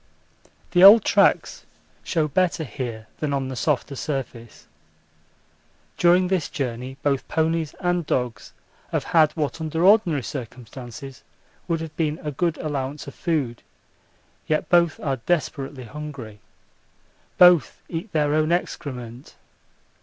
The old tracks show better here than on the softer surface. During this journey both ponies and dogs have had what under ordinary circumstances would have been a good allowance of food, yet both are desperately hungry. Both eat their own excrement.